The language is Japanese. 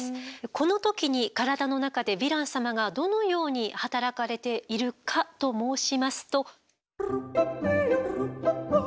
この時に体の中でヴィラン様がどのように働かれているかと申しますと。